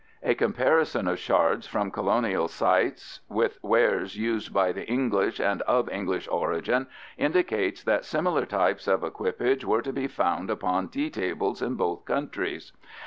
A comparison of sherds from colonial sites with wares used by the English and of English origin indicates that similar types of equipage were to be found upon tea tables in both countries.